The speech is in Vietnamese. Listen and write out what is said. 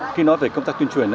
khi nói về công tác tuyên truyền